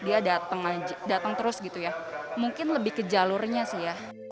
dia datang terus gitu ya mungkin lebih ke jalurnya sih ya